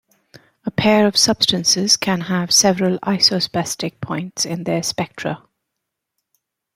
A pair of substances can have several isosbestic points in their spectra.